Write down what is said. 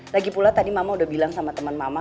lagi pula tadi mama udah bilang sama teman mama